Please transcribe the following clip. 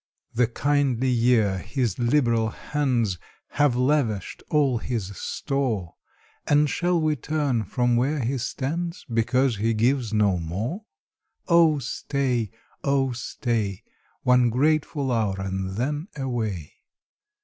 The kindly year, his liberal hands Have lavished all his store. And shall we turn from where he stands, Because he gives no more? Oh stay, oh stay, One grateful hour, and then away.